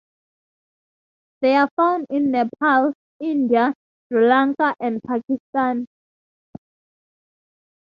They are found in Nepal, India, Sri Lanka and Pakistan.